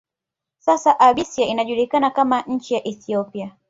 Sasa Abysia inajulikana kama nchi ya Ethiopia